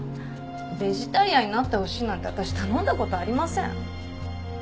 ベジタリアンになってほしいなんて私頼んだ事ありません。